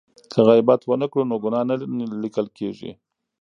که غیبت ونه کړو نو ګناه نه لیکل کیږي.